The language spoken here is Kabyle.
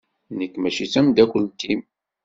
Nekk mačči d tamdakelt-im.